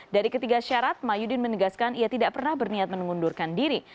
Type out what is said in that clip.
dari ketiga syarat mahyudin menegaskan ia tidak pernah berniat mengundurkan diri